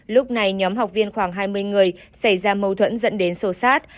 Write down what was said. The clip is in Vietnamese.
lúc này nhóm học viên khoảng hai mươi người xảy ra mâu thuẫn dẫn đến sổ sát